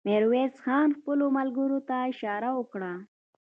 ميرويس خان خپلو ملګرو ته اشاره وکړه.